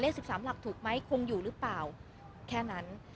๑๓หลักถูกไหมคงอยู่หรือเปล่าแค่นั้น